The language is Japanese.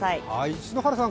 篠原さん